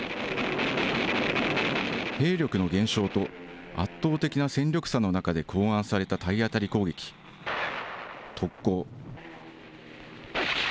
兵力の減少と圧倒的な戦力差の中で考案された体当たり攻撃、特攻。